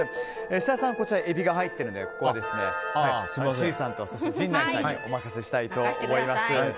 設楽さん、エビが入っているのでここは千里さんと陣内さんにお任せしたいと思います。